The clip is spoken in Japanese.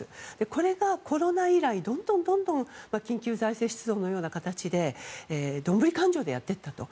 これがコロナ以来どんどん緊急財政出動という形で丼勘定でやっていったと。